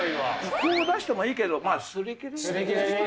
こう出してもいいけど、まあ、すり切れに。